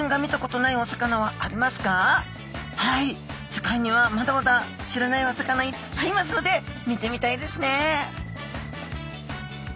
世界にはまだまだ知らないお魚いっぱいいますので見てみたいですね！